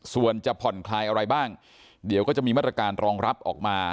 ส่วนจะผ่อนคลายอะไรบ้างเดี๋ยวก็จะมีมาตรการรองรับออกมา